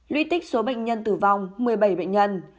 luy tích số bệnh nhân tử vong một mươi bảy bệnh nhân